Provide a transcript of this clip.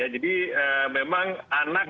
jadi memang anak